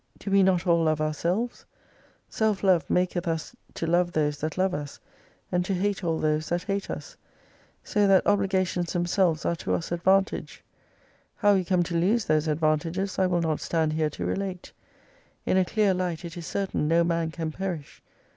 Do we 27^ not all love ourselves ? Self love maketh us to love those that love us, and to hate all those that hate us. So that obligations themselves are to us advantage. Row we come to lose those advantages I will not stand here to relate. In a clear light it is certain no man can perish.